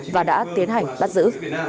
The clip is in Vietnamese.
và đã tiến hành bắt giữ